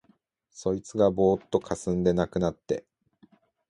そいつがぼうっとかすんで無くなって、